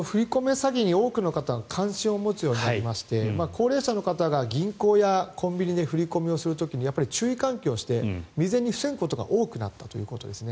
詐欺に多くの方が関心を持つようになりまして高齢者の方が銀行やコンビニで振り込みをする時に注意喚起をして未然に防ぐことが多くなったということですね。